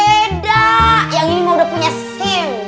beda yang ini mah udah punya sim